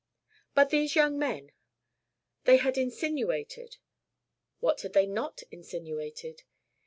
But these young men. They had insinuated what had they not insinuated?